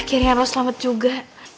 akhirnya lu selamat juga